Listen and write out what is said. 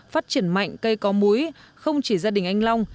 phát triển mạnh cây có múi không chỉ gia đình anh long